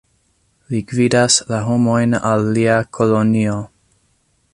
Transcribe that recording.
Li gvidas la homojn al lia kolonio.